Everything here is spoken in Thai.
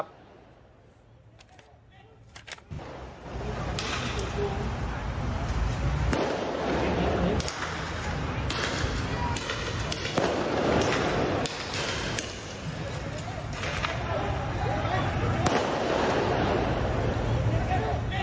เฮียดอ่ะ